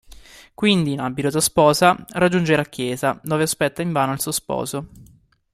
Quindi, in abito da sposa, raggiunge la chiesa, dove aspetta invano il suo sposo.